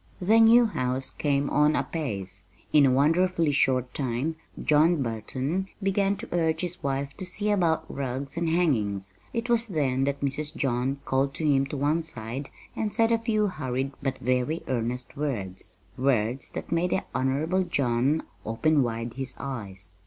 The new house came on apace. In a wonderfully short time John Burton began to urge his wife to see about rugs and hangings. It was then that Mrs. John called him to one side and said a few hurried but very earnest words words that made the Honorable John open wide his eyes.